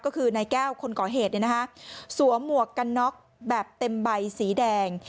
ก็คือนายแก้วคนก่อเหตุเนี่ยนะคะสวมหมวกกันน็อกแบบเต็มใบสีแดง